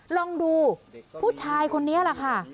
ลองดูผู้ชายคนนี้แหละค่ะ